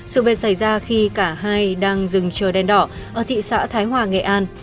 sự vệnh xảy ra khi cả hai đang dừng chờ đen đỏ ở thị xã thái hòa nghệ an